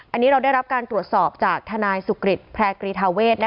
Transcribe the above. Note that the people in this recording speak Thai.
อันนี้เราได้รับการตรวจสอบจากทนายสุกริตแพร่กรีธาเวท